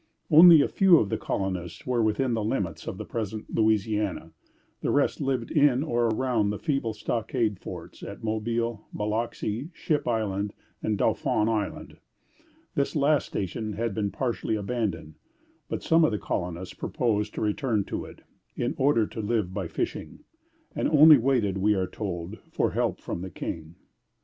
Only a few of the colonists were within the limits of the present Louisiana. The rest lived in or around the feeble stockade forts at Mobile, Biloxi, Ship Island, and Dauphin Island. This last station had been partially abandoned; but some of the colonists proposed to return to it, in order to live by fishing, and only waited, we are told, for help from the King.